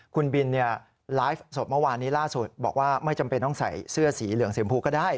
คุณบินไลฟ์สดเมื่อวานนี้ล่าสุดบอกว่าไม่จำเป็นต้องใส่เสื้อสีเหลืองสีมพูก็ได้